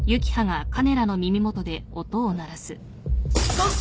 あっ！